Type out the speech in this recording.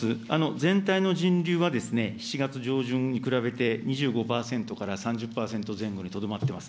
全体の人流は７月上旬に比べて２５％から３０％前後にとどまっています。